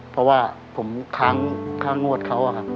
เพราะว่าผมค้างค่างวดเขาอะครับ